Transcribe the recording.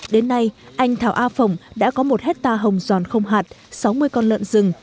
đến nay anh thảo a phồng đã có một hectare hồng giòn không hạt sáu mươi con lợn rừng